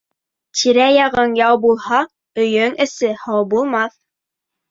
Тирә яғың яу булһа, өйөң эсе һау булмаҫ.